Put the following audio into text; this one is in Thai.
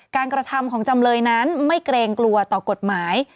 กระทำของจำเลยนั้นไม่เกรงกลัวต่อกฎหมาย